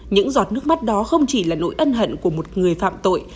những giọt nước mắt đó không chỉ là nỗi ân hận của một người phạm tội